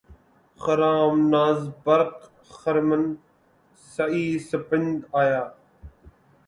خرام ناز برق خرمن سعی سپند آیا